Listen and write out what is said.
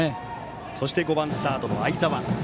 そして５番サード、相澤。